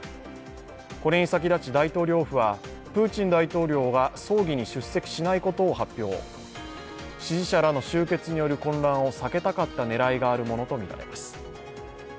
これに先立ち、大統領府はプーチン大統領が葬儀に出席しないことを発表支持者らの集結による混乱を避けたかった狙いがあるものとみられます。